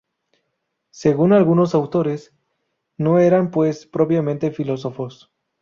Según algunos autores, no eran, pues, propiamente filósofos.